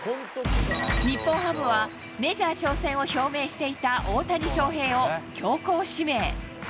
日本ハムは、メジャー挑戦を表明していた大谷翔平を強行指名。